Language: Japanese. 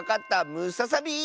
ムササビ！